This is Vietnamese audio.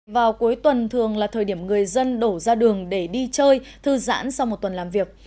vào cuối tuần thường là thời điểm người dân đổ ra đường để đi chơi thư giãn sau một tuần làm việc